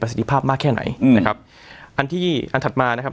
สิทธิภาพมากแค่ไหนอืมนะครับอันที่อันถัดมานะครับ